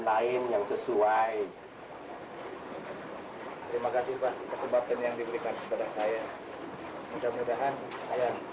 lain yang sesuai terima kasih pak kesempatan yang diberikan kepada saya mudah mudahan saya